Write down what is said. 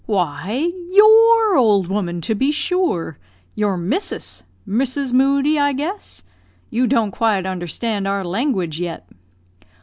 "Why, your old woman, to be sure your missus Mrs. Moodie, I guess. You don't quite understand our language yet."